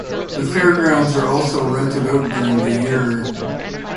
The fairgrounds are also rented out during the year.